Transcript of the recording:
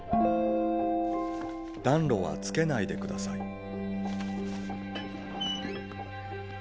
「暖炉はつけないで下さい」。